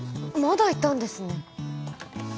だいたんですね